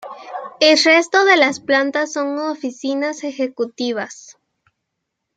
El resto de las plantas son oficinas ejecutivas.